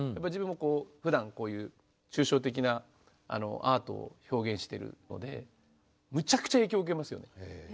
自分もふだんこういう抽象的なアートを表現しているのでむちゃくちゃ影響受けますよね。